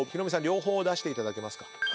両方出していただけますか？